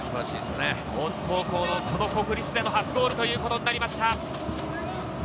大津高校の国立での初ゴールということになりました。